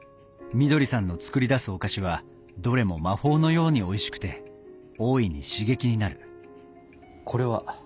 みどりさんの作り出すお菓子はどれも魔法のようにおいしくて大いに刺激になるこれは？